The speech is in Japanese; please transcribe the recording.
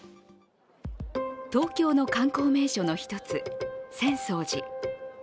東京の観光名所の一つ浅草寺。